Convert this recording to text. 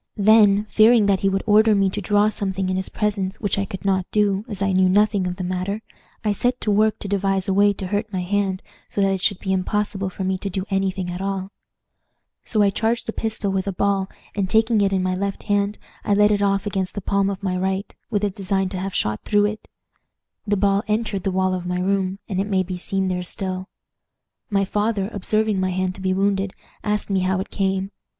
Then, fearing that he would order me to draw something in his presence, which I could not do, as I knew nothing of the matter, I set to work to devise a way to hurt my hand so that it should be impossible for me to do any thing at all. So I charged a pistol with ball, and, taking it in my left hand, I let it off against the palm of my right, with a design to have shot through it. The ball, however, missed my hand, though the powder burned it sufficiently to wound it. The ball entered the wall of my room, and it may be seen there still. "My father, observing my hand to be wounded, asked me how it came.